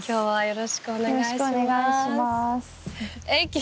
よろしくお願いします。